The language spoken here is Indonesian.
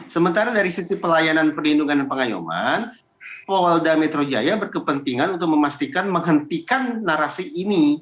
sementara dari sisi pelayanan perlindungan dan pengayuman polda metro jaya berkepentingan untuk memastikan menghentikan narasi ini